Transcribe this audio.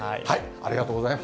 ありがとうございます。